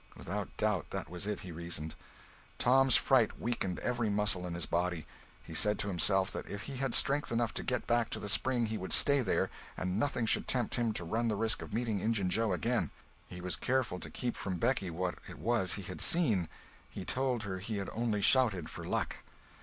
Without doubt, that was it, he reasoned. Tom's fright weakened every muscle in his body. He said to himself that if he had strength enough to get back to the spring he would stay there, and nothing should tempt him to run the risk of meeting Injun Joe again. He was careful to keep from Becky what it was he had seen. He told her he had only shouted "for luck."